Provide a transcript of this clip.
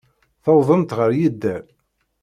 Tewwḍemt ɣer yider.